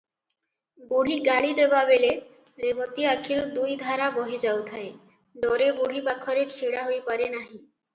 ବୁଢ଼ୀ ଗାଳି ଦେବାବେଳେ ରେବତୀ ଆଖିରୁ ଦୁଇଧାରା ବହି ଯାଉଥାଏ, ଡରେ ବୁଢ଼ୀ ପାଖରେ ଛିଡ଼ା ହୋଇପାରେ ନାହିଁ।